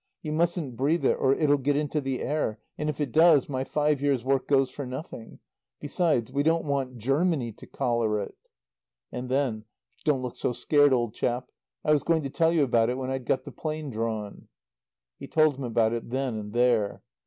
You mustn't breathe it, or it'll get into the air. And if it does my five years' work goes for nothing. Besides we don't want Germany to collar it." And then: "Don't look so scared, old chap. I was going to tell you about it when I'd got the plans drawn." He told him about it then and there.